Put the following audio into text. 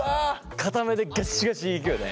硬めでガッシガシいくよね。